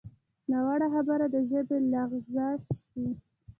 ناوړه خبره د ژبې لغزش وي